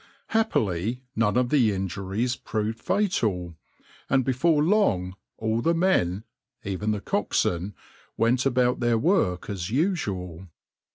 Happily, none of the injuries proved fatal, and before long all the men, even the coxswain, went about their work as usual.